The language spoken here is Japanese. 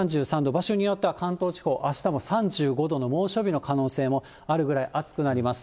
場所によっては関東地方、あしたも３５度の猛暑日の可能性もあるぐらい暑くなります。